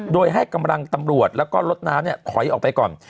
โดยให้กำลังตำรวจแล้วก็รถน้ำถอยออกไปก่อน